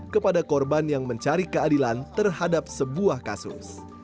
kepada korban yang mencari keadilan terhadap sebuah kasus